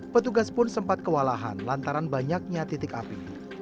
petugas pun sempat kewalahan lantaran banyaknya titik api